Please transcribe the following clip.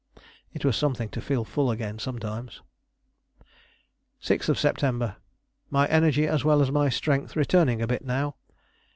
It was something to feel full again sometimes. "6th Sept. My energy as well as my strength returning a bit now....